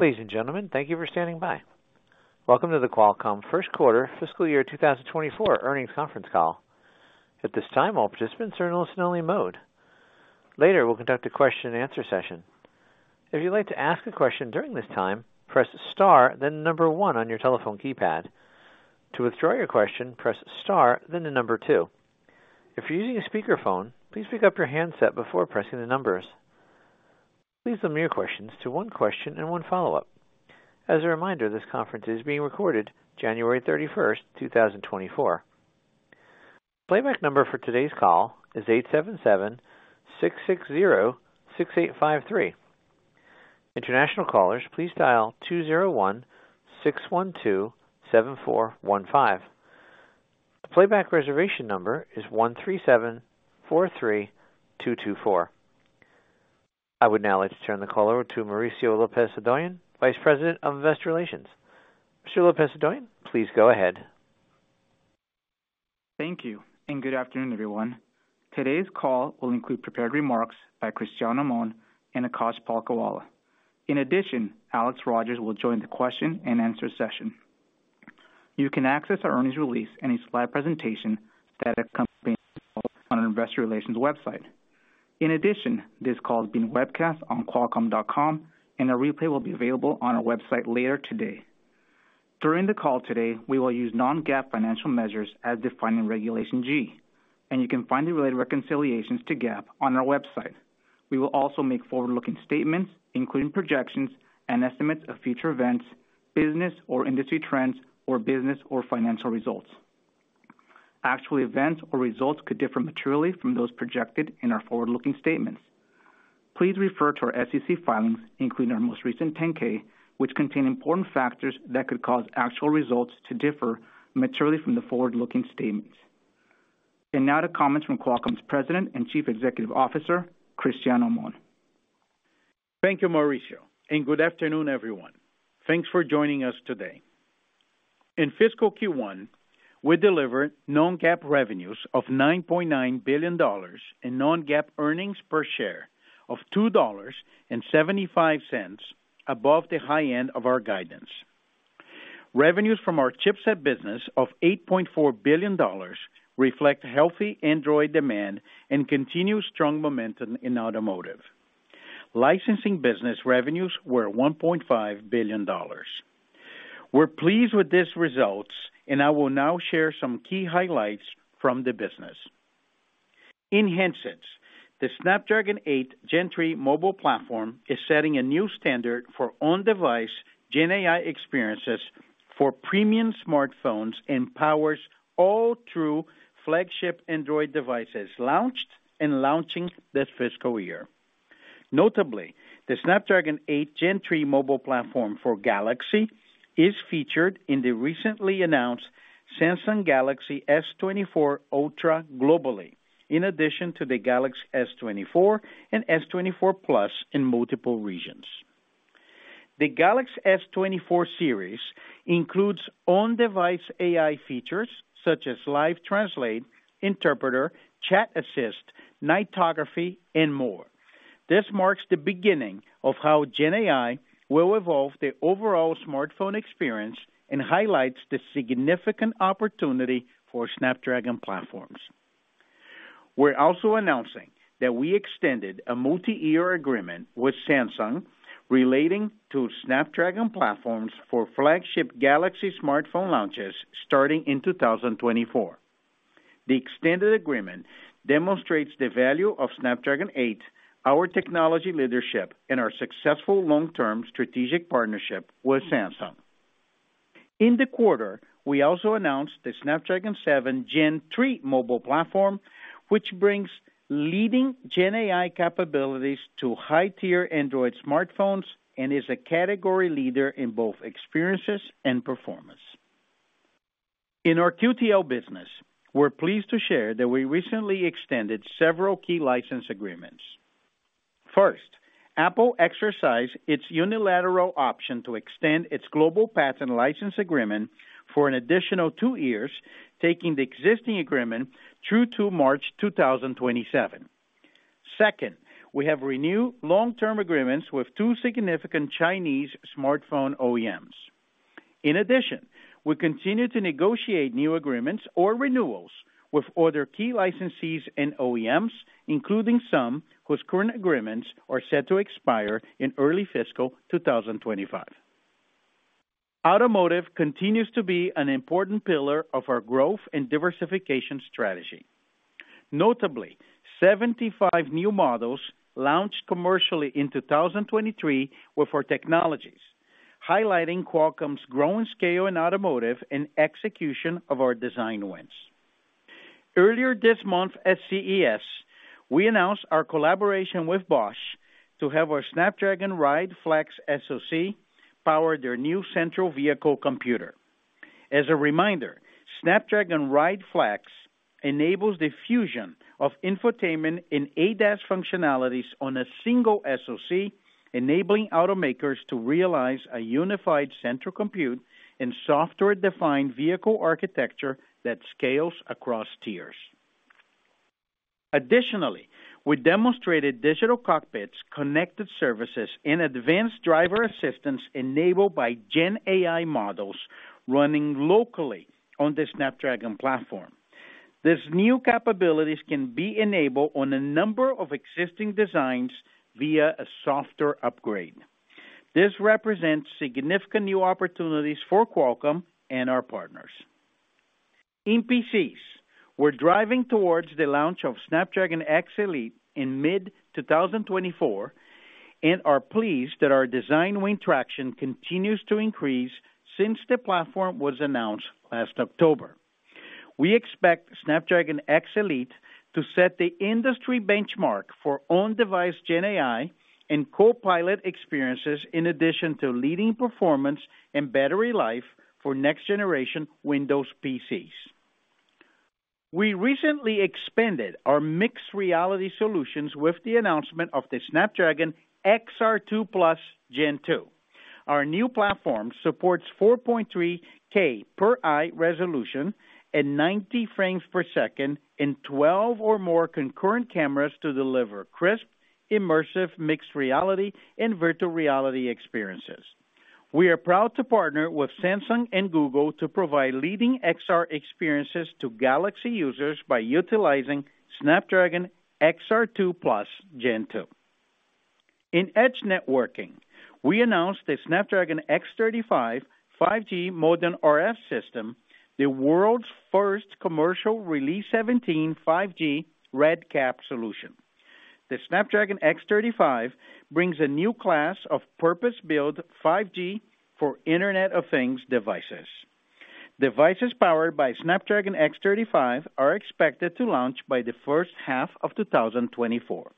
Ladies and gentlemen, thank you for standing by. Welcome to the Qualcomm First Quarter Fiscal Year 2024 Earnings Conference Call. At this time, all participants are in listen-only mode. Later, we'll conduct a question-and-answer session. If you'd like to ask a question during this time, press Star, then number 1 on your telephone keypad. To withdraw your question, press Star, then the number two. If you're using a speakerphone, please pick up your handset before pressing the numbers. Please limit your questions to one question and one follow-up. As a reminder, this conference is being recorded January 31st, 2024. Playback number for today's call is 877-660-6853. International callers, please dial 201-612-7415. The playback reservation number is 137-432-224. I would now like to turn the call over to Mauricio Lopez-Hodoyan, Vice President of Investor Relations. Mr. Lopez-Hodoyan, please go ahead. Thank you, and good afternoon, everyone. Today's call will include prepared remarks by Cristiano Amon and Akash Palkhiwala. In addition, Alex Rogers will join the question-and-answer session. You can access our earnings release and its live presentation that accompanies on our investor relations website. In addition, this call is being webcast on Qualcomm.com, and a replay will be available on our website later today. During the call today, we will use Non-GAAP financial measures as defined in Regulation G, and you can find the related reconciliations to GAAP on our website. We will also make forward-looking statements, including projections and estimates of future events, business or industry trends, or business or financial results. Actual events or results could differ materially from those projected in our forward-looking statements. Please refer to our SEC filings, including our most recent 10-K, which contain important factors that could cause actual results to differ materially from the forward-looking statements. And now to comments from Qualcomm's President and Chief Executive Officer, Cristiano Amon. Thank you, Mauricio, and good afternoon, everyone. Thanks for joining us today. In fiscal Q1, we delivered Non-GAAP revenues of $9.9 billion and Non-GAAP earnings per share of $2.75, above the high end of our guidance. Revenues from our chipset business of $8.4 billion reflect healthy Android demand and continued strong momentum in automotive. Licensing business revenues were $1.5 billion. We're pleased with these results, and I will now share some key highlights from the business. In handsets, the Snapdragon 8 Gen 3 mobile platform is setting a new standard for on-device Gen AI experiences for premium smartphones and powers all true flagship Android devices launched and launching this fiscal year. Notably, the Snapdragon 8 Gen 3 mobile platform for Galaxy is featured in the recently announced Samsung Galaxy S24 Ultra globally, in addition to the Galaxy S24 and S24 Plus in multiple regions. The Galaxy S24 series includes on-device AI features such as Live Translate, Interpreter, Chat Assist, Nightography, and more. This marks the beginning of how Gen AI will evolve the overall smartphone experience and highlights the significant opportunity for Snapdragon platforms. We're also announcing that we extended a multi-year agreement with Samsung relating to Snapdragon platforms for flagship Galaxy smartphone launches starting in 2024. The extended agreement demonstrates the value of Snapdragon 8, our technology leadership, and our successful long-term strategic partnership with Samsung. In the quarter, we also announced the Snapdragon 7 Gen 3 mobile platform, which brings leading Gen AI capabilities to high-tier Android smartphones and is a category leader in both experiences and performance. In our QTL business, we're pleased to share that we recently extended several key license agreements. First, Apple exercised its unilateral option to extend its global patent license agreement for an additional 2 years, taking the existing agreement through to March 2027. Second, we have renewed long-term agreements with 2 significant Chinese smartphone OEMs. In addition, we continue to negotiate new agreements or renewals with other key licensees and OEMs, including some whose current agreements are set to expire in early fiscal 2025. Automotive continues to be an important pillar of our growth and diversification strategy. Notably, 75 new models launched commercially in 2023 with our technologies, highlighting Qualcomm's growing scale in automotive and execution of our design wins. Earlier this month at CES, we announced our collaboration with Bosch to have our Snapdragon Ride Flex SoC power their new central vehicle computer. As a reminder, Snapdragon Ride Flex enables the fusion of infotainment and ADAS functionalities on a single SoC, enabling automakers to realize a unified central compute and software-defined vehicle architecture that scales across tiers.... Additionally, we demonstrated digital cockpits, connected services, and advanced driver assistance enabled by Gen AI models running locally on the Snapdragon platform. These new capabilities can be enabled on a number of existing designs via a software upgrade. This represents significant new opportunities for Qualcomm and our partners. In PCs, we're driving towards the launch of Snapdragon X Elite in mid-2024, and are pleased that our design win traction continues to increase since the platform was announced last October. We expect Snapdragon X Elite to set the industry benchmark for on-device Gen AI and Copilot experiences, in addition to leading performance and battery life for next-generation Windows PCs. We recently expanded our mixed reality solutions with the announcement of the Snapdragon XR2+ Gen 2. Our new platform supports 4.3K per eye resolution and 90 frames per second in 12 or more concurrent cameras to deliver crisp, immersive, mixed reality, and virtual reality experiences. We are proud to partner with Samsung and Google to provide leading XR experiences to Galaxy users by utilizing Snapdragon XR2+ Gen 2. In Edge networking, we announced the Snapdragon X35 5G Modem-RF System, the world's first commercial Release 17 5G RedCap solution. The Snapdragon X35 brings a new class of purpose-built 5G for Internet of Things devices. Devices powered by Snapdragon X35 are expected to launch by the first half of 2024.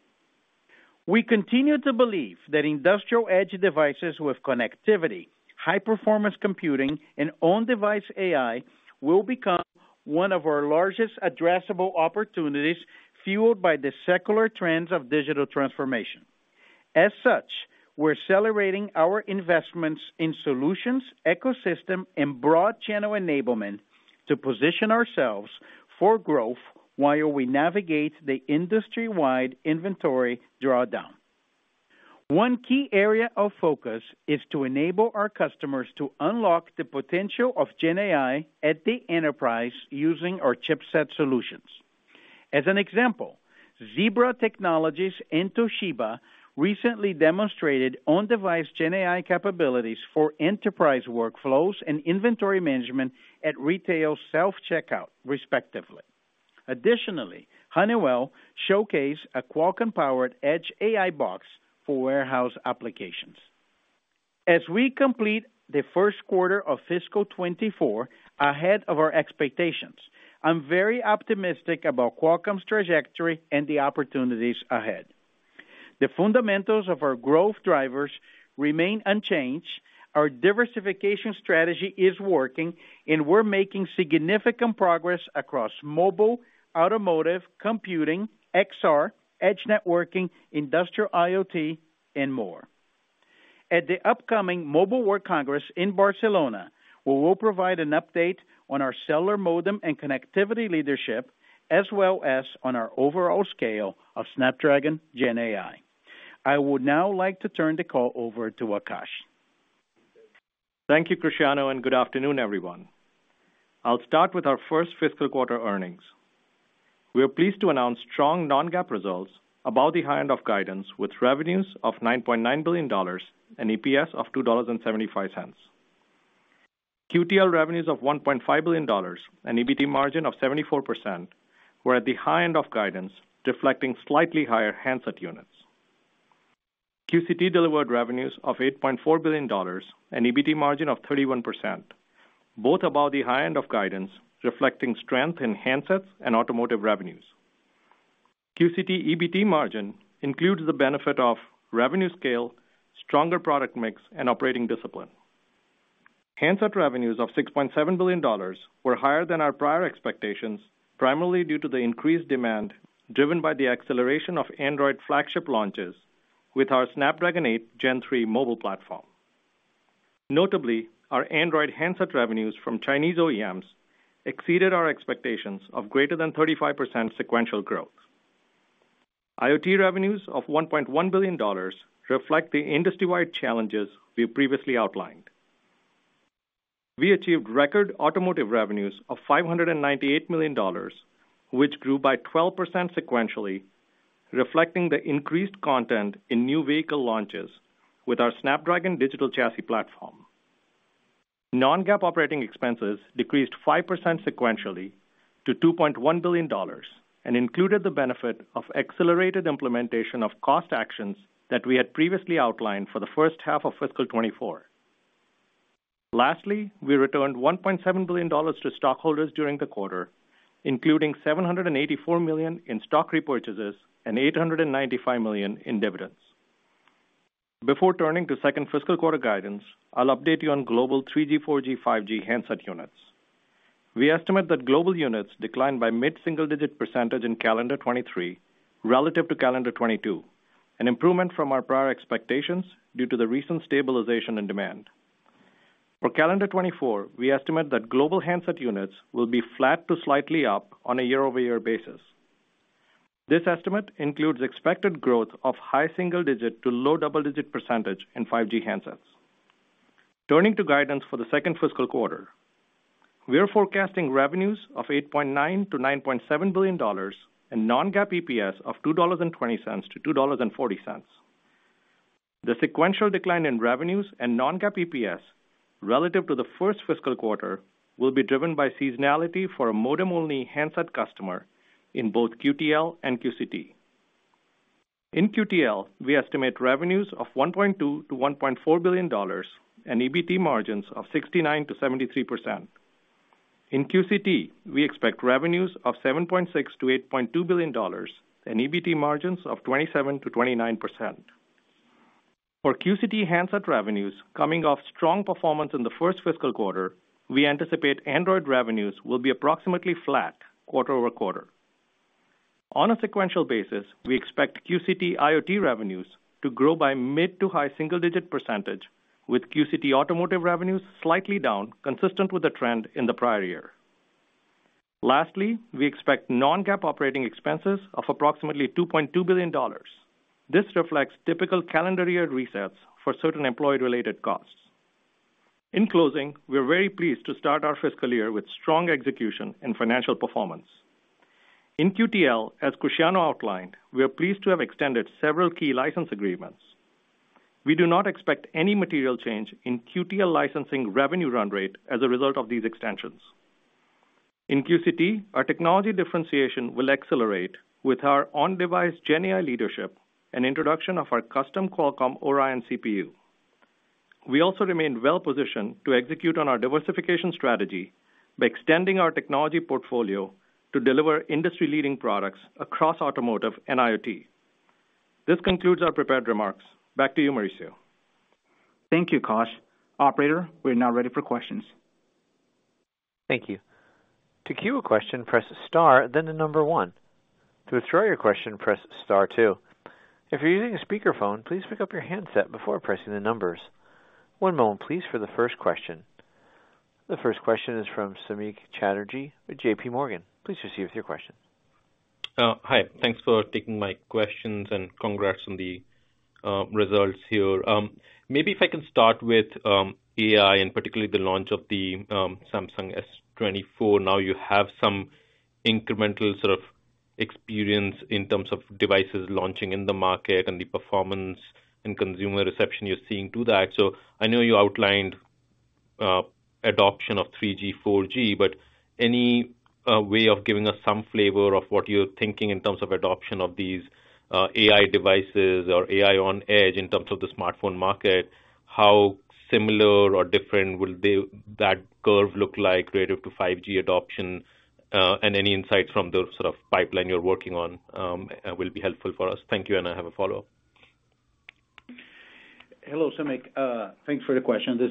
We continue to believe that industrial edge devices with connectivity, high-performance computing, and on-device AI will become one of our largest addressable opportunities, fueled by the secular trends of digital transformation. As such, we're accelerating our investments in solutions, ecosystem, and broad channel enablement to position ourselves for growth while we navigate the industry-wide inventory drawdown. One key area of focus is to enable our customers to unlock the potential of Gen AI at the enterprise using our chipset solutions. As an example, Zebra Technologies and Toshiba recently demonstrated on-device Gen AI capabilities for enterprise workflows and inventory management at retail self-checkout, respectively. Additionally, Honeywell showcased a Qualcomm-powered Edge AI box for warehouse applications. As we complete the first quarter of fiscal 2024 ahead of our expectations, I'm very optimistic about Qualcomm's trajectory and the opportunities ahead. The fundamentals of our growth drivers remain unchanged, our diversification strategy is working, and we're making significant progress across mobile, automotive, computing, XR, edge networking, industrial IoT, and more. At the upcoming Mobile World Congress in Barcelona, we will provide an update on our cellular modem and connectivity leadership, as well as on our overall scale of Snapdragon Gen AI. I would now like to turn the call over to Akash. Thank you, Cristiano, and good afternoon, everyone. I'll start with our first fiscal quarter earnings. We are pleased to announce strong Non-GAAP results above the high end of guidance, with revenues of $9.9 billion and EPS of $2.75. QTL revenues of $1.5 billion and EBT margin of 74% were at the high end of guidance, reflecting slightly higher handset units. QCT delivered revenues of $8.4 billion and EBT margin of 31%, both above the high end of guidance, reflecting strength in handsets and automotive revenues. QCT EBT margin includes the benefit of revenue scale, stronger product mix, and operating discipline. Handset revenues of $6.7 billion were higher than our prior expectations, primarily due to the increased demand, driven by the acceleration of Android flagship launches with our Snapdragon 8 Gen 3 mobile platform. Notably, our Android handset revenues from Chinese OEMs exceeded our expectations of greater than 35% sequential growth. IoT revenues of $1.1 billion reflect the industry-wide challenges we previously outlined. We achieved record automotive revenues of $598 million, which grew by 12% sequentially, reflecting the increased content in new vehicle launches with our Snapdragon Digital Chassis platform. Non-GAAP operating expenses decreased 5% sequentially to $2.1 billion and included the benefit of accelerated implementation of cost actions that we had previously outlined for the first half of fiscal 2024. Lastly, we returned $1.7 billion to stockholders during the quarter, including $784 million in stock repurchases and $895 million in dividends. Before turning to second fiscal quarter guidance, I'll update you on global 3G, 4G, 5G handset units. We estimate that global units declined by mid-single-digit % in calendar 2023 relative to calendar 2022, an improvement from our prior expectations due to the recent stabilization and demand.... For calendar 2024, we estimate that global handset units will be flat to slightly up on a year-over-year basis. This estimate includes expected growth of high single-digit to low double-digit % in 5G handsets. Turning to guidance for the second fiscal quarter, we are forecasting revenues of $8.9-$9.7 billion and Non-GAAP EPS of $2.20-$2.40. The sequential decline in revenues and Non-GAAP EPS relative to the first fiscal quarter will be driven by seasonality for a modem-only handset customer in both QTL and QCT. In QTL, we estimate revenues of $1.2 billion-$1.4 billion and EBT margins of 69%-73%. In QCT, we expect revenues of $7.6 billion-$8.2 billion and EBT margins of 27%-29%. For QCT handset revenues, coming off strong performance in the first fiscal quarter, we anticipate Android revenues will be approximately flat quarter-over-quarter. On a sequential basis, we expect QCT IoT revenues to grow by mid- to high-single-digit percentage, with QCT automotive revenues slightly down, consistent with the trend in the prior year. Lastly, we expect Non-GAAP operating expenses of approximately $2.2 billion. This reflects typical calendar year resets for certain employee-related costs. In closing, we are very pleased to start our fiscal year with strong execution and financial performance. In QTL, as Cristiano outlined, we are pleased to have extended several key license agreements. We do not expect any material change in QTL licensing revenue run rate as a result of these extensions. In QCT, our technology differentiation will accelerate with our on-device Gen AI leadership and introduction of our custom Qualcomm Oryon CPU. We also remain well positioned to execute on our diversification strategy by extending our technology portfolio to deliver industry-leading products across automotive and IoT. This concludes our prepared remarks. Back to you, Mauricio. Thank you, Akash. Operator, we're now ready for questions. Thank you. To queue a question, press star, then the number one. To withdraw your question, press star two. If you're using a speakerphone, please pick up your handset before pressing the numbers. One moment please for the first question. The first question is from Samik Chatterjee with JP Morgan. Please proceed with your question. Hi, thanks for taking my questions, and congrats on the results here. Maybe if I can start with AI and particularly the launch of the Samsung S24. Now you have some incremental sort of experience in terms of devices launching in the market and the performance and consumer reception you're seeing to that. So I know you outlined adoption of 3G, 4G, but any way of giving us some flavor of what you're thinking in terms of adoption of these AI devices or AI on Edge, in terms of the smartphone market? How similar or different will they-- that curve look like relative to 5G adoption? And any insights from the sort of pipeline you're working on will be helpful for us. Thank you, and I have a follow-up. Hello, Samik, thanks for the question. This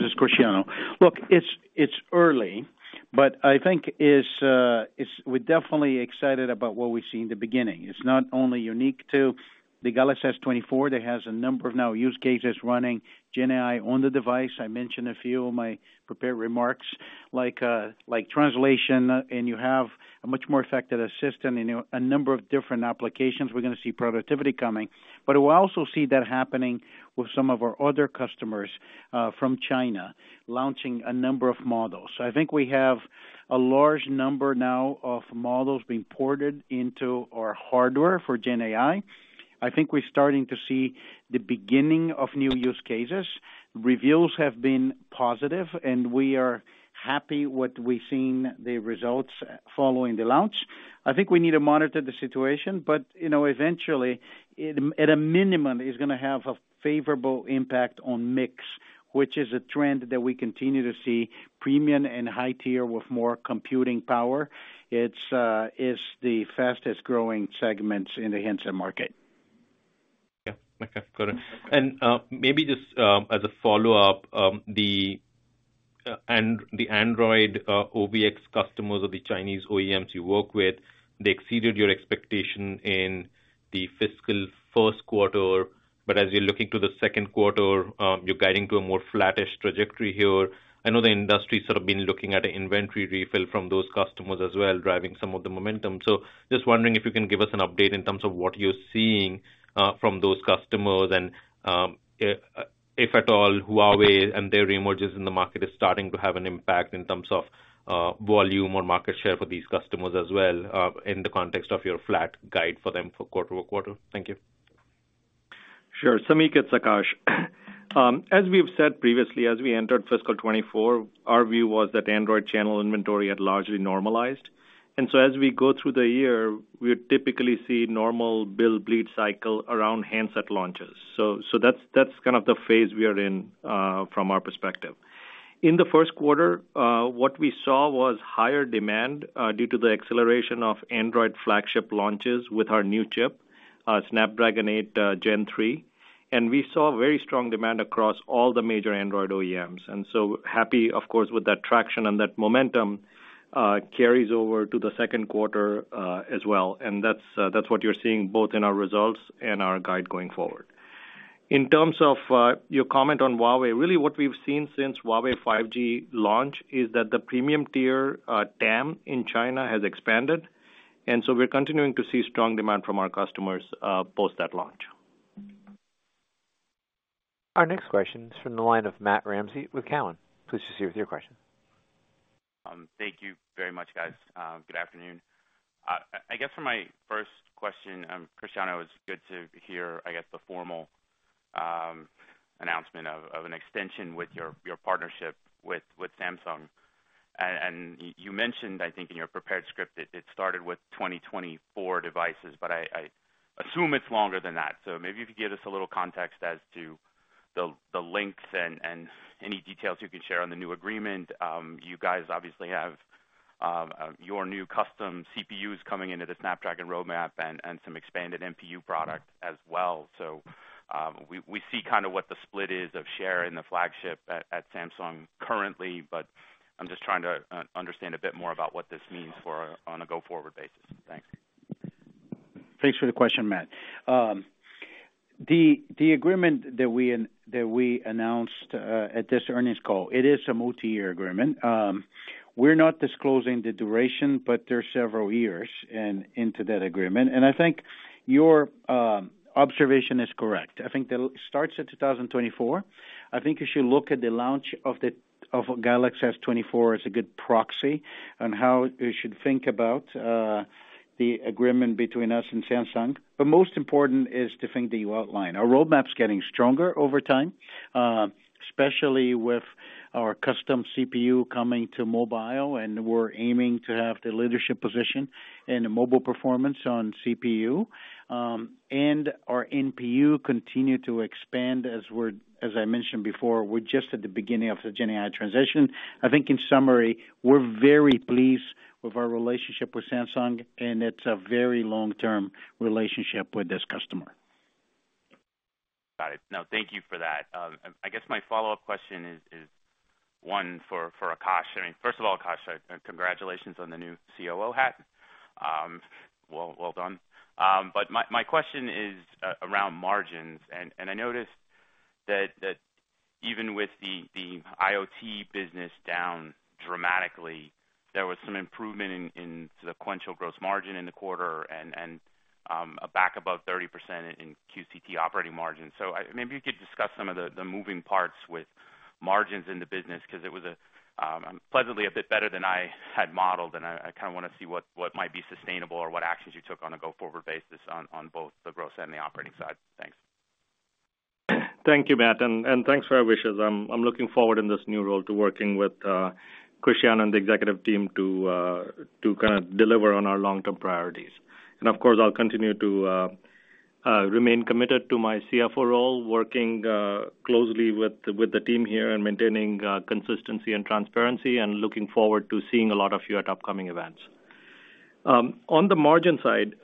is Cristiano. Look, it's early, but I think we're definitely excited about what we see in the beginning. It's not only unique to the Galaxy S24, that has a number of new use cases running Gen AI on the device. I mentioned a few of my prepared remarks, like, like translation, and you have a much more effective assistant and a number of different applications. We're gonna see productivity coming, but we'll also see that happening with some of our other customers from China, launching a number of models. So I think we have a large number now of models being ported into our hardware for Gen AI. I think we're starting to see the beginning of new use cases. Reviews have been positive, and we are happy what we've seen the results following the launch. I think we need to monitor the situation, but, you know, eventually, at a minimum, it's gonna have a favorable impact on mix, which is a trend that we continue to see premium and high tier with more computing power. It's, it's the fastest growing segments in the handset market. Yeah. Okay, got it. And maybe just as a follow-up, the Android OEM customers or the Chinese OEMs you work with, they exceeded your expectation in the fiscal first quarter. But as you're looking to the second quarter, you're guiding to a more flattish trajectory here. I know the industry sort of been looking at an inventory refill from those customers as well, driving some of the momentum. So just wondering if you can give us an update in terms of what you're seeing from those customers? And if at all, Huawei and their re-emergence in the market is starting to have an impact in terms of volume or market share for these customers as well, in the context of your flat guide for them for quarter over quarter. Thank you. Sure. Samik, it's Akash. As we've said previously, as we entered fiscal 2024, our view was that Android channel inventory had largely normalized. And so as we go through the year, we would typically see normal build bleed cycle around handset launches. So that's kind of the phase we are in from our perspective. In the first quarter, what we saw was higher demand due to the acceleration of Android flagship launches with our new chip, Snapdragon 8 Gen 3, and we saw very strong demand across all the major Android OEMs. And so happy, of course, with that traction and that momentum carries over to the second quarter as well. And that's what you're seeing both in our results and our guide going forward. In terms of your comment on Huawei, really what we've seen since Huawei 5G launch is that the premium tier TAM in China has expanded, and so we're continuing to see strong demand from our customers post that launch. Our next question is from the line of Matt Ramsay with Cowen. Please proceed with your question. Thank you very much, guys. Good afternoon. I guess for my first question, Cristiano, it's good to hear, I guess, the formal announcement of an extension with your partnership with Samsung. And you mentioned, I think in your prepared script, it started with 2024 devices, but I assume it's longer than that. So maybe you could give us a little context as to the links and any details you can share on the new agreement. You guys obviously have your new custom CPUs coming into the Snapdragon roadmap and some expanded NPU product as well. We see kind of what the split is of share in the flagship at Samsung currently, but I'm just trying to understand a bit more about what this means for on a go-forward basis. Thanks. Thanks for the question, Matt. The agreement that we announced at this earnings call is a multi-year agreement. We're not disclosing the duration, but there are several years into that agreement, and I think your observation is correct. I think that it starts at 2024. I think you should look at the launch of the Galaxy S24 as a good proxy on how you should think about the agreement between us and Samsung. But most important is to think the outline. Our roadmap's getting stronger over time, especially with our custom CPU coming to mobile, and we're aiming to have the leadership position in the mobile performance on CPU. And our NPU continue to expand as we're. As I mentioned before, we're just at the beginning of the Gen AI transition. I think, in summary, we're very pleased with our relationship with Samsung, and it's a very long-term relationship with this customer. Got it. No, thank you for that. I guess my follow-up question is one for Akash. I mean, first of all, Akash, congratulations on the new COO hat. Well, well done. But my question is around margins, and I noticed that even with the IoT business down dramatically, there was some improvement in sequential gross margin in the quarter and back above 30% in QCT operating margins. So maybe you could discuss some of the moving parts with margins in the business, because it was pleasantly a bit better than I had modeled, and I kinda wanna see what might be sustainable or what actions you took on a go-forward basis on both the gross and the operating side. Thanks. Thank you, Matt, and thanks for our wishes. I'm looking forward in this new role to working with Cristiano and the executive team to kind of deliver on our long-term priorities. And of course, I'll continue to remain committed to my CFO role, working closely with the team here and maintaining consistency and transparency, and looking forward to seeing a lot of you at upcoming events. On the margin side,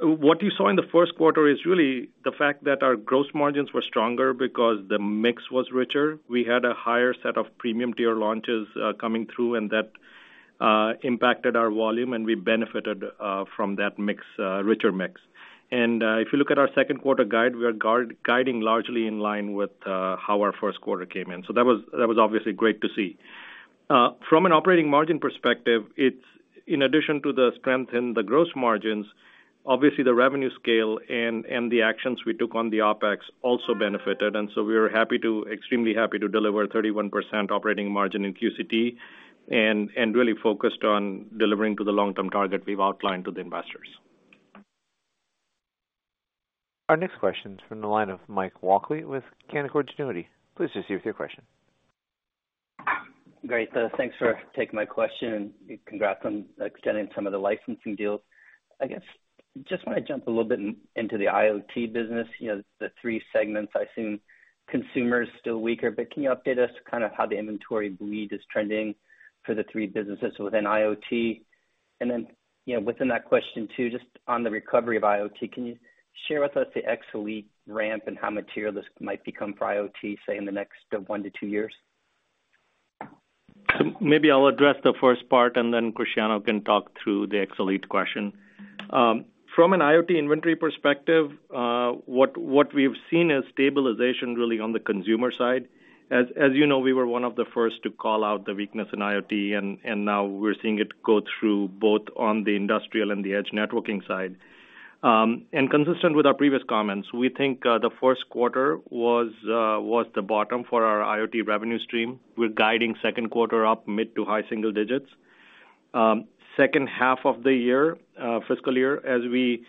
what you saw in the first quarter is really the fact that our gross margins were stronger because the mix was richer. We had a higher set of premium tier launches coming through, and that impacted our volume, and we benefited from that mix, richer mix. If you look at our second quarter guide, we are guiding largely in line with how our first quarter came in. So that was obviously great to see. From an operating margin perspective, it's in addition to the strength in the gross margins, obviously the revenue scale and the actions we took on the OpEx also benefited, and so we were extremely happy to deliver 31% operating margin in QCT and really focused on delivering to the long-term target we've outlined to the investors. Our next question is from the line of Mike Walkley with Canaccord Genuity. Please proceed with your question. Great. Thanks for taking my question, and congrats on extending some of the licensing deals. I guess, just wanna jump a little bit in, into the IoT business, you know, the three segments. I assume consumer is still weaker, but can you update us kind of how the inventory bleed is trending for the three businesses within IoT? And then, you know, within that question, too, just on the recovery of IoT, can you share with us the X Elite ramp and how material this might become for IoT, say, in the next one to two years? Maybe I'll address the first part, and then Cristiano can talk through the X Elite question. From an IoT inventory perspective, what we've seen is stabilization really on the consumer side. As you know, we were one of the first to call out the weakness in IoT, and now we're seeing it go through both on the industrial and the edge networking side. And consistent with our previous comments, we think the first quarter was the bottom for our IoT revenue stream. We're guiding second quarter up mid- to high-single digits. Second half of the year, fiscal year, as we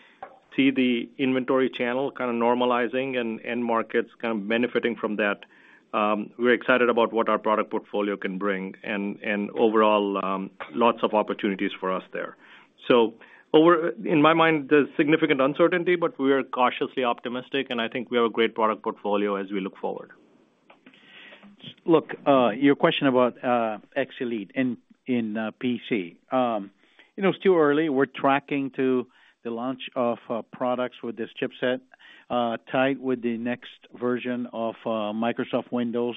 see the inventory channel kind of normalizing and end markets kind of benefiting from that, we're excited about what our product portfolio can bring and overall, lots of opportunities for us there. So in my mind, there's significant uncertainty, but we are cautiously optimistic, and I think we have a great product portfolio as we look forward. Look, your question about, X Elite in PC. You know, it's too early. We're tracking to the launch of, products with this chipset, tied with the next version of, Microsoft Windows.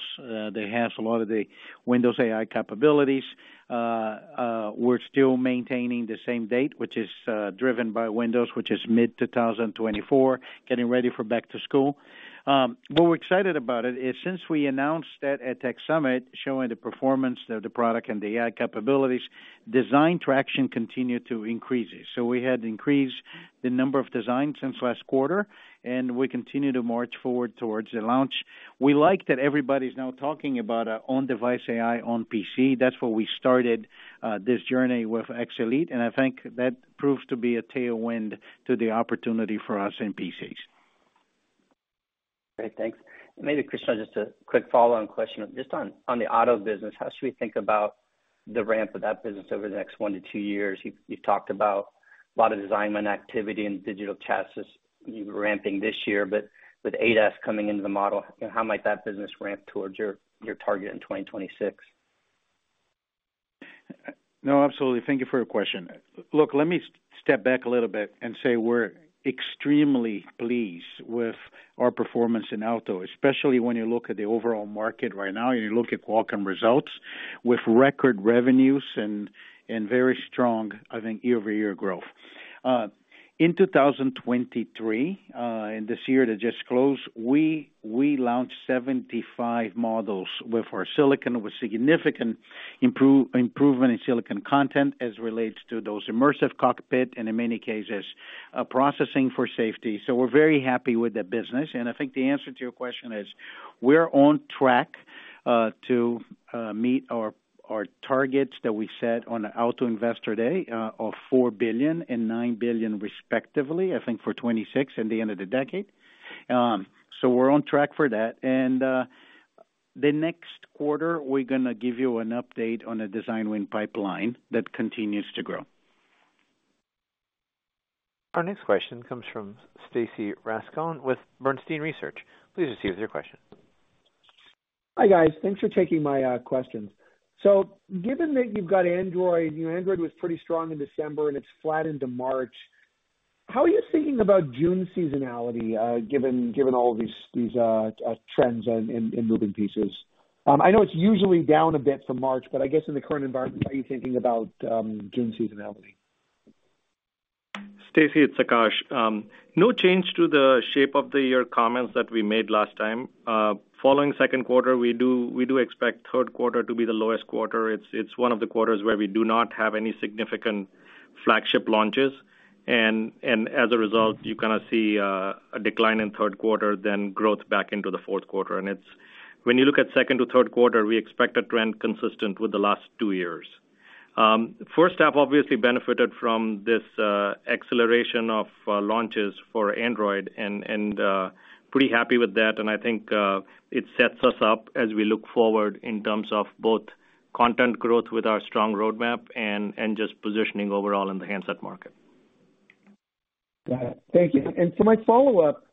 We're still maintaining the same date, which is, driven by Windows, which is mid-2024, getting ready for back to school. What we're excited about it, is since we announced that at Tech Summit, showing the performance of the product and the AI capabilities, design traction continued to increase. So we had increased the number of designs since last quarter, and we continue to march forward towards the launch. We like that everybody's now talking about, on-device AI on PC. That's where we started, this journey with X Elite, and I think that proves to be a tailwind to the opportunity for us in PCs. Great, thanks. Maybe, Cristiano, just a quick follow-on question. Just on, on the auto business, how should we think about the ramp of that business over the next 1-2-years? You've, you've talked about a lot of design win activity and digital chassis ramping this year, but with ADAS coming into the model, how might that business ramp towards your, your target in 2026? No, absolutely. Thank you for your question. Look, let me step back a little bit and say, we're extremely pleased with our performance in auto, especially when you look at the overall market right now, and you look at Qualcomm results with record revenues and very strong, I think, year-over-year growth. In 2023, in this year that just closed, we launched 75 models with our silicon, with significant improvement in silicon content as relates to those immersive cockpit and in many cases, processing for safety. So we're very happy with the business, and I think the answer to your question is: we're on track to meet our targets that we set on the Auto Investor Day of $4 billion and $9 billion, respectively, I think for 2026 and the end of the decade. So we're on track for that. The next quarter, we're gonna give you an update on a design win pipeline that continues to grow. Our next question comes from Stacy Rasgon with Bernstein Research. Please proceed with your question. Hi, guys. Thanks for taking my questions. So given that you've got Android, you know, Android was pretty strong in December and it's flat into March, how are you thinking about June seasonality, given all these trends in moving pieces? I know it's usually down a bit from March, but I guess in the current environment, how are you thinking about June seasonality? Stacy, it's Akash. No change to the shape of the year comments that we made last time. Following second quarter, we expect third quarter to be the lowest quarter. It's one of the quarters where we do not have any significant flagship launches, and as a result, you kind of see a decline in third quarter, then growth back into the fourth quarter. And it's when you look at second to third quarter, we expect a trend consistent with the last two years. First half obviously benefited from this acceleration of launches for Android and pretty happy with that, and I think it sets us up as we look forward in terms of both content growth with our strong roadmap and just positioning overall in the handset market. Got it. Thank you. For my follow-up,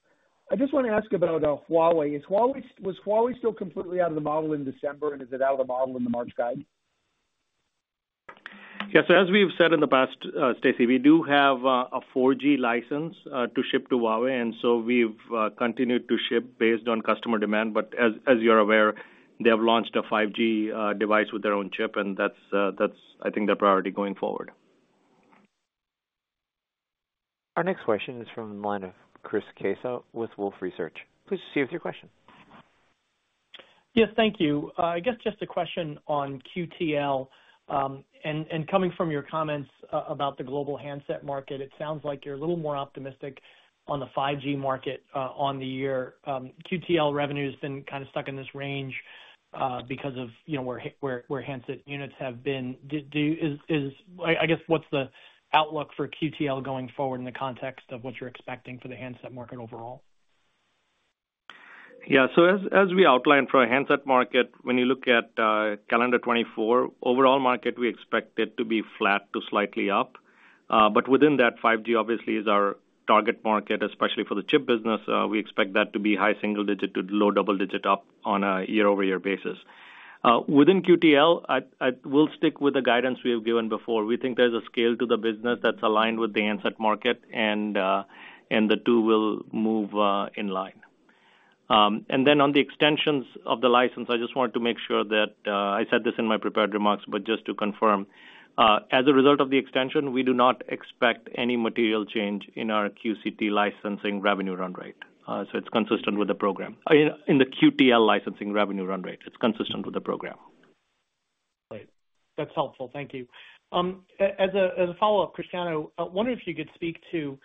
I just wanna ask about Huawei. Is Huawei—was Huawei still completely out of the model in December, and is it out of the model in the March guide? Yes. So as we've said in the past, Stacy, we do have a 4G license to ship to Huawei, and so we've continued to ship based on customer demand. But as you're aware, they have launched a 5G device with their own chip, and that's, I think, their priority going forward. Our next question is from the line of Chris Caso with Wolfe Research. Please proceed with your question. Yes, thank you. I guess just a question on QTL. And coming from your comments about the global handset market, it sounds like you're a little more optimistic on the 5G market on the year. QTL revenue has been kinda stuck in this range because of, you know, where handset units have been. I guess, what's the outlook for QTL going forward in the context of what you're expecting for the handset market overall? Yeah. So as we outlined for our handset market, when you look at calendar 2024, overall market, we expect it to be flat to slightly up. But within that, 5G obviously is our target market, especially for the chip business. We expect that to be high single digit to low double digit up on a year-over-year basis. Within QTL, we'll stick with the guidance we have given before. We think there's a scale to the business that's aligned with the handset market, and the two will move in line. And then on the extensions of the license, I just wanted to make sure that I said this in my prepared remarks, but just to confirm, as a result of the extension, we do not expect any material change in our QCT licensing revenue run rate. So it's consistent with the program. In the QTL licensing revenue run rate, it's consistent with the program. Great. That's helpful. Thank you. As a follow-up, Cristiano, I wonder if you could speak to,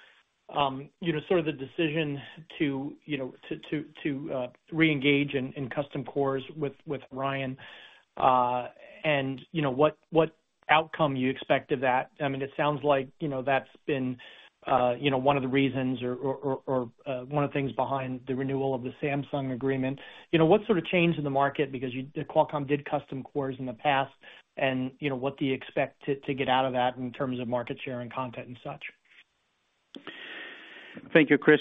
you know, sort of the decision to, you know, reengage in custom cores with Oryon, and you know, what outcome you expect of that? I mean, it sounds like, you know, that's been one of the reasons or one of the things behind the renewal of the Samsung agreement. You know, what sort of changed in the market? Because you, Qualcomm did custom cores in the past and, you know, what do you expect to get out of that in terms of market share and content and such?... Thank you, Chris,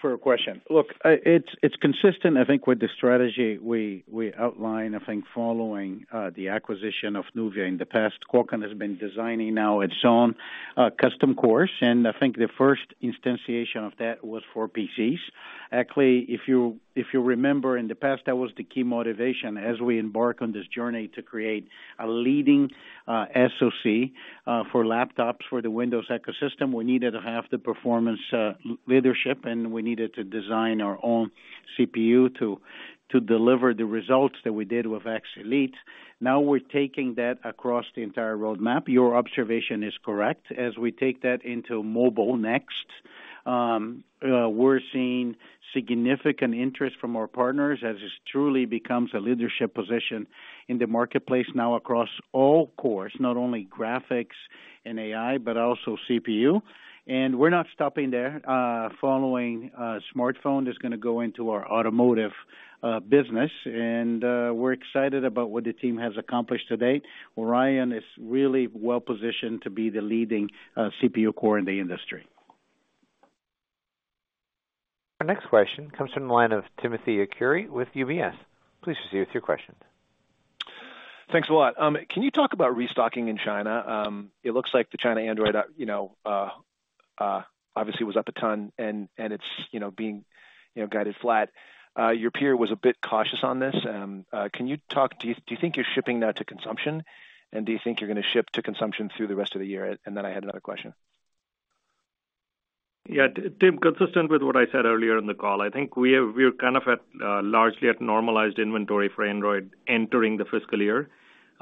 for a question. Look, it's, it's consistent, I think, with the strategy we, we outlined, I think, following, the acquisition of Nuvia in the past. Qualcomm has been designing now its own, custom cores, and I think the first instantiation of that was for PCs. Actually, if you, if you remember in the past, that was the key motivation as we embark on this journey to create a leading, SoC, for laptops, for the Windows ecosystem. We needed to have the performance, leadership, and we needed to design our own CPU to, to deliver the results that we did with X Elite. Now we're taking that across the entire roadmap. Your observation is correct. As we take that into mobile next, we're seeing significant interest from our partners as this truly becomes a leadership position in the marketplace now across all cores, not only graphics and AI, but also CPU. And we're not stopping there. Following smartphone, it's gonna go into our automotive business, and we're excited about what the team has accomplished to date. Oryon is really well positioned to be the leading CPU core in the industry. Our next question comes from the line of Timothy Arcuri with UBS. Please proceed with your question. Thanks a lot. Can you talk about restocking in China? It looks like the China Android, you know, obviously was up a ton, and it's, you know, guided flat. Your peer was a bit cautious on this. Can you talk? Do you think you're shipping now to consumption? And do you think you're gonna ship to consumption through the rest of the year? And then I had another question. Yeah, Tim, consistent with what I said earlier in the call, I think we have, we're kind of at, largely at normalized inventory for Android entering the fiscal year.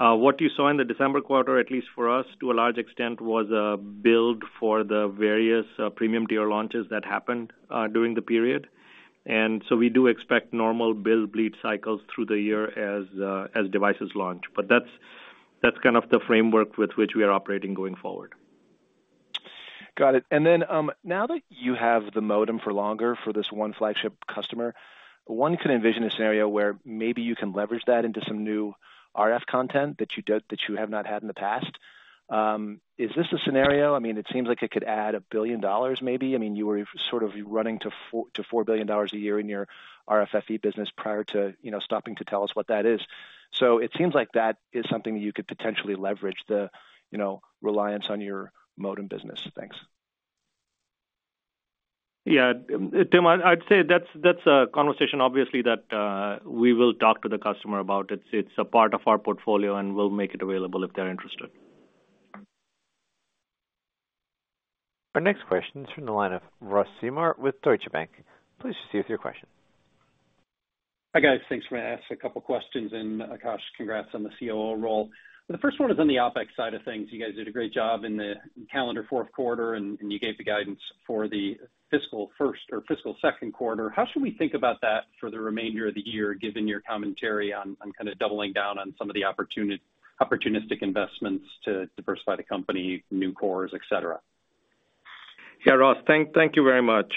What you saw in the December quarter, at least for us, to a large extent, was a build for the various premium tier launches that happened during the period. And so we do expect normal build bleed cycles through the year as devices launch. But that's, that's kind of the framework with which we are operating going forward. Got it. And then, now that you have the modem for longer for this 1 flagship customer, 1 can envision a scenario where maybe you can leverage that into some new RF content that you don't, that you have not had in the past. Is this a scenario? I mean, it seems like it could add $1 billion, maybe. I mean, you were sort of running to $4 billion a year in your RFFE business prior to, you know, stopping to tell us what that is. So it seems like that is something you could potentially leverage the, you know, reliance on your modem business. Thanks. Yeah, Tim, I'd say that's, that's a conversation, obviously, that we will talk to the customer about. It's, it's a part of our portfolio, and we'll make it available if they're interested. Our next question is from the line of Ross Seymore with Deutsche Bank. Please proceed with your question. Hi, guys. Thanks. I'm gonna ask a couple of questions, and Akash, congrats on the COO role. The first one is on the OpEx side of things. You guys did a great job in the calendar fourth quarter, and you gave the guidance for the fiscal first or fiscal second quarter. How should we think about that for the remainder of the year, given your commentary on kind of doubling down on some of the opportunistic investments to diversify the company, new cores, et cetera? Yeah, Ross, thank you very much.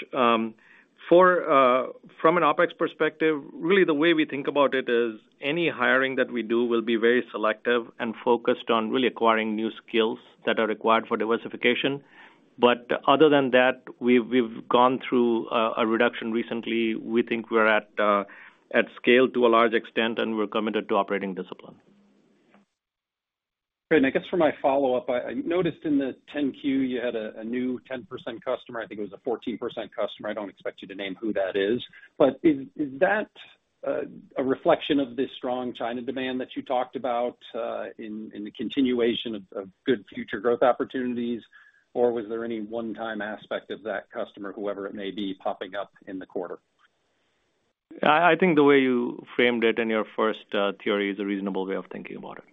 From an OpEx perspective, really, the way we think about it is, any hiring that we do will be very selective and focused on really acquiring new skills that are required for diversification. But other than that, we've gone through a reduction recently. We think we're at scale to a large extent, and we're committed to operating discipline. Great. And I guess for my follow-up, I noticed in the 10-Q, you had a new 10% customer. I think it was a 14% customer. I don't expect you to name who that is, but is that a reflection of this strong China demand that you talked about in the continuation of good future growth opportunities? Or was there any one-time aspect of that customer, whoever it may be, popping up in the quarter? I think the way you framed it in your first theory is a reasonable way of thinking about it.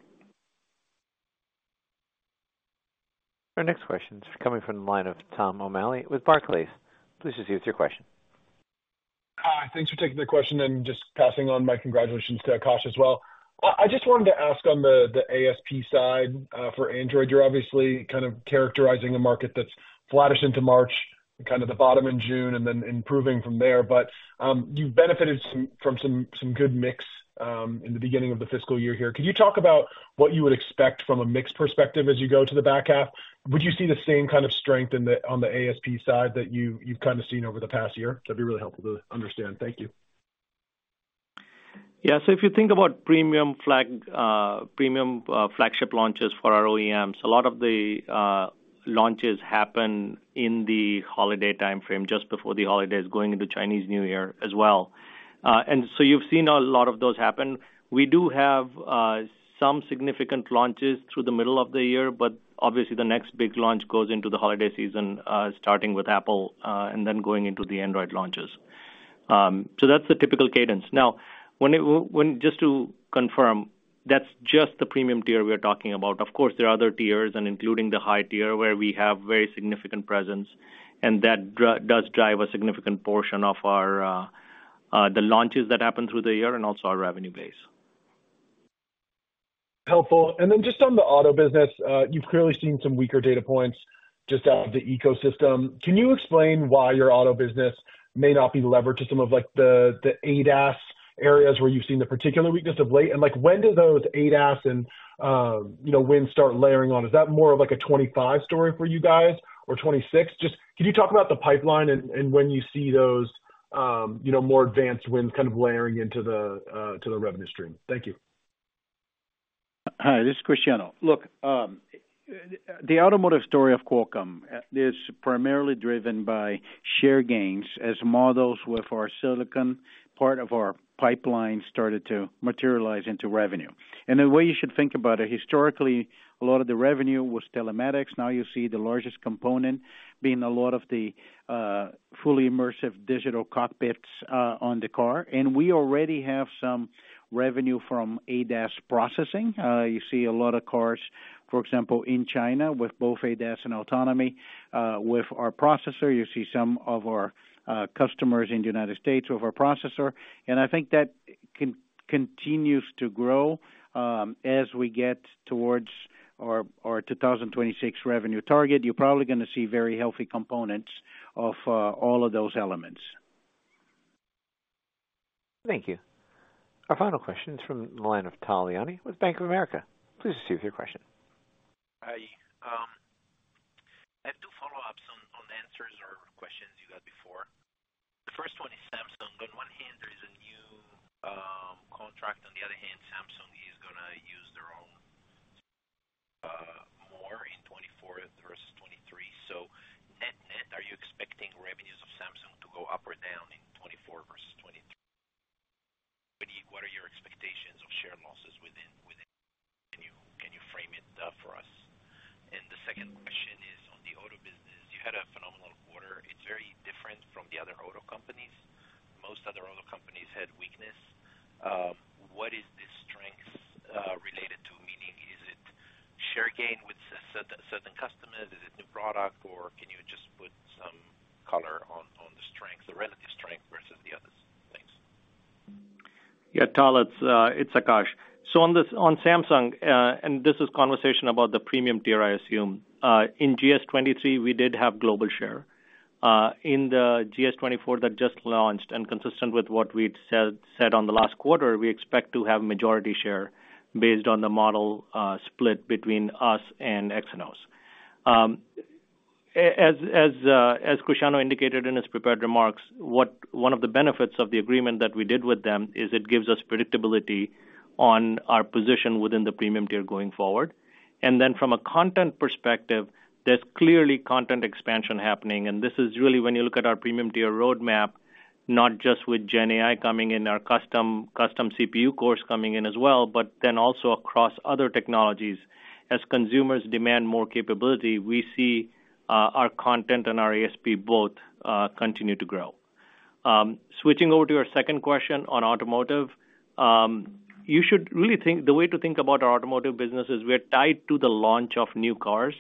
Our next question is coming from the line of Tom O'Malley with Barclays. Please proceed with your question. Hi. Thanks for taking the question, and just passing on my congratulations to Akash as well. I just wanted to ask on the, the ASP side, for Android, you're obviously kind of characterizing a market that's flattish into March, kind of the bottom in June, and then improving from there. But, you've benefited from some good mix in the beginning of the fiscal year here. Could you talk about what you would expect from a mix perspective as you go to the back half? Would you see the same kind of strength in the, on the ASP side that you, you've kind of seen over the past year? That'd be really helpful to understand. Thank you. Yeah. So if you think about premium flagship launches for our OEMs, a lot of the launches happen in the holiday timeframe, just before the holidays, going into Chinese New Year as well. And so you've seen a lot of those happen. We do have some significant launches through the middle of the year, but obviously the next big launch goes into the holiday season, starting with Apple, and then going into the Android launches. So that's the typical cadence. Now, just to confirm, that's just the premium tier we are talking about. Of course, there are other tiers, and including the high tier, where we have very significant presence, and that does drive a significant portion of our, the launches that happen through the year and also our revenue base. Helpful. And then just on the auto business, you've clearly seen some weaker data points just out of the ecosystem. Can you explain why your auto business may not be levered to some of, like, the ADAS areas where you've seen the particular weakness of late? And, like, when do those ADAS and, you know, wins start layering on? Is that more of, like, a 2025 story for you guys or 2026? Just can you talk about the pipeline and when you see those, you know, more advanced wins kind of layering into the to the revenue stream. Thank you. Hi, this is Cristiano. Look, the automotive story of Qualcomm is primarily driven by share gains as models with our silicon, part of our pipeline started to materialize into revenue. And the way you should think about it, historically, a lot of the revenue was telematics. Now, you see the largest component being a lot of the fully immersive digital cockpits on the car, and we already have some revenue from ADAS processing. You see a lot of cars, for example, in China, with both ADAS and autonomy with our processor. You see some of our customers in the United States with our processor, and I think that continues to grow as we get towards our 2026 revenue target. You're probably gonna see very healthy components of all of those elements. Thank you. Our final question is from the line of Tal Liani with Bank of America. Please proceed with your question. Hi. I have to follow up some on answers or questions you got before. The first one is Samsung. On one hand, there is a new contract, on the other hand, Samsung is gonna use their own more in 2024 versus 2023. So net-net, are you expecting revenues of Samsung to go up or down in 2024 versus 2023? What are your expectations of share losses within? Can you frame it for us? And the second question is on the auto business. You had a phenomenal quarter. It's very different from the other auto companies. Most other auto companies had weakness. What is the strength related to? Meaning, is it share gain with certain customers? Is it new product? Or can you just put some color on the strength, the relative strength versus the others? Thanks. Yeah, Tal, it's Akash. So on this, on Samsung, and this is conversation about the premium tier, I assume. In GS23, we did have global share. In the GS24 that just launched and consistent with what we'd said on the last quarter, we expect to have majority share based on the model split between us and Exynos. As Cristiano indicated in his prepared remarks, one of the benefits of the agreement that we did with them is it gives us predictability on our position within the premium tier going forward. And then from a content perspective, there's clearly content expansion happening, and this is really when you look at our premium tier roadmap, not just with Gen AI coming in, our custom CPU cores coming in as well, but then also across other technologies. As consumers demand more capability, we see our content and our ASP both continue to grow. Switching over to your second question on automotive. You should really think, the way to think about our automotive business is, we're tied to the launch of new cars.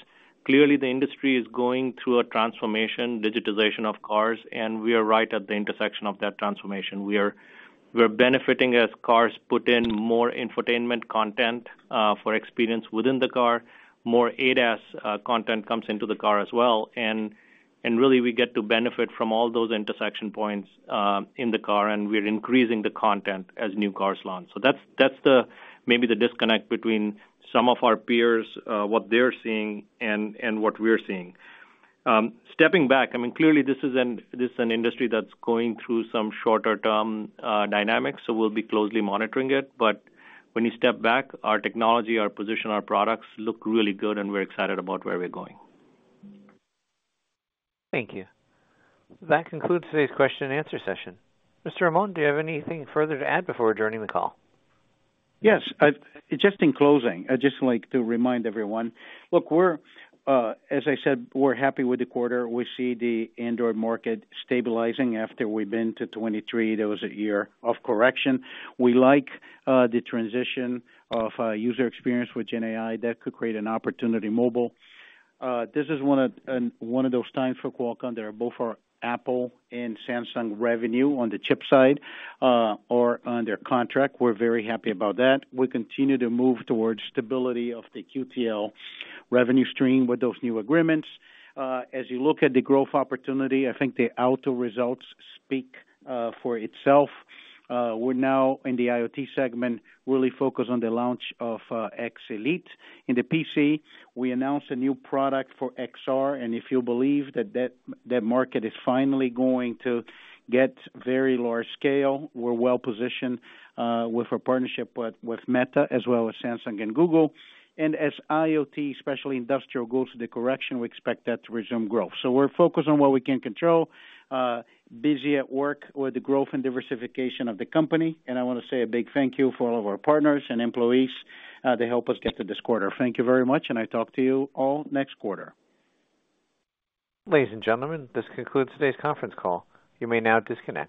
Clearly, the industry is going through a transformation, digitization of cars, and we are right at the intersection of that transformation. We're benefiting as cars put in more infotainment content for experience within the car. More ADAS content comes into the car as well. And really we get to benefit from all those intersection points in the car, and we're increasing the content as new cars launch. So that's maybe the disconnect between some of our peers, what they're seeing and what we're seeing. Stepping back, I mean, clearly this is an, this is an industry that's going through some shorter term dynamics, so we'll be closely monitoring it. But when you step back, our technology, our position, our products look really good, and we're excited about where we're going. Thank you. That concludes today's question and answer session. Mr. Amon, do you have anything further to add before adjourning the call? Yes, I've just in closing, I'd just like to remind everyone. Look, we're, as I said, we're happy with the quarter. We see the Android market stabilizing after 2023. There was a year of correction. We like, the transition of, user experience with Gen AI. That could create an opportunity, mobile. This is one of, one of those times for Qualcomm, that are both our Apple and Samsung revenue on the chip side, or under contract. We're very happy about that. We continue to move towards stability of the QTL revenue stream with those new agreements. As you look at the growth opportunity, I think the auto results speak, for itself. We're now in the IoT segment, really focused on the launch of, X Elite. In the PC, we announced a new product for XR, and if you believe that market is finally going to get very large scale, we're well positioned with our partnership with Meta, as well as Samsung and Google. And as IoT, especially industrial, goes through the correction, we expect that to resume growth. So we're focused on what we can control, busy at work with the growth and diversification of the company, and I want to say a big thank you for all of our partners and employees, they help us get to this quarter. Thank you very much, and I talk to you all next quarter. Ladies and gentlemen, this concludes today's conference call. You may now disconnect.